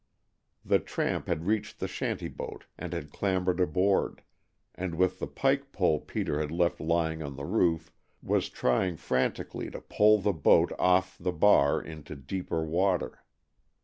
The tramp had reached the shanty boat and had clambered aboard, and with the pike pole Peter had left lying on the roof, was trying frantically to pole the boat off the bar into deeper water.